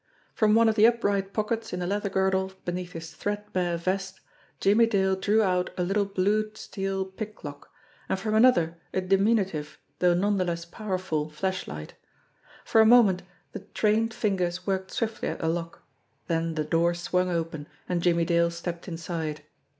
From one of the upright pockets in the leather girdle beneath his threadbare vest, Jimmie Dale drew out a little blued steel pick lock, and from another a diminutive, though none the less powerful, flashlight. For a moment the trained fingers worked swiftly at the lock, then the door swung open, and Jimmie Dale stepped inside.